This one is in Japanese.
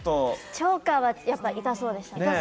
チョーカーは痛そうでしたね。